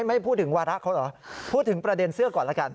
ไม่พูดถึงวาระเขาเหรอพูดถึงประเด็นเสื้อก่อนแล้วกัน